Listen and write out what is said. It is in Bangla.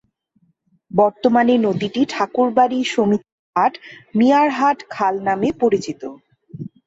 বর্তমানে নদীটি ঠাকুর বাড়ি, সমিতির হাট, মিয়ার হাট খাল নামে পরিচিত।